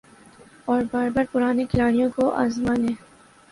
اور بار بار پرانے کھلاڑیوں کو آزمانے